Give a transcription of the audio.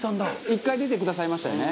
「１回出てくださいましたよね」